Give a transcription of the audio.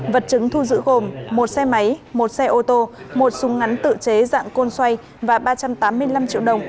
vật chứng thu giữ gồm một xe máy một xe ô tô một súng ngắn tự chế dạng côn xoay và ba trăm tám mươi năm triệu đồng